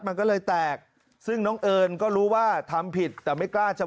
มันก็เลยแตกซึ่งน้องเอิญก็รู้ว่าทำผิดแต่ไม่กล้าจะ